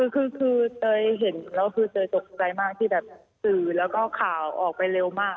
คือเตยเห็นแล้วคือเตยตกใจมากที่แบบสื่อแล้วก็ข่าวออกไปเร็วมาก